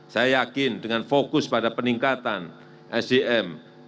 saya yakin dengan fokus pada peningkatan sdm